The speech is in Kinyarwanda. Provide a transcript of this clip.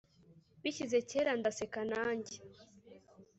bishyize kera ndaseka nanjye